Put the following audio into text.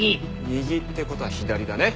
右って事は左だね。